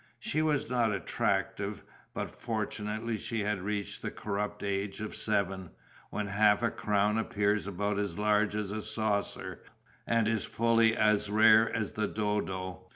She was not attractive; but fortunately she had reached the corrupt age of seven, when half a crown appears about as large as a saucer and is fully as rare as the dodo.